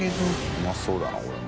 うまそうだなこれも。